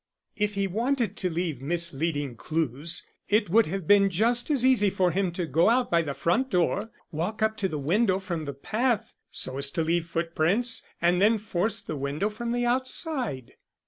If he wanted to leave misleading clues it would have been just as easy for him to go out by the front door, walk up to the window from the path so as to leave footprints and then force the window from the outside."